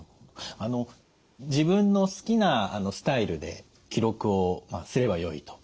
あの自分の好きなスタイルで記録をすればよいと。